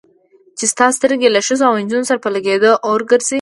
چې ستا سترګې له ښځو او نجونو سره په لګېدو اور ګرځي.